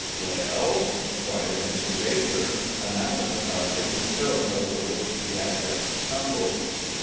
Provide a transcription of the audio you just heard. "Well?" inquired Mr. Baker, anathematizing a stone over which he had just stumbled.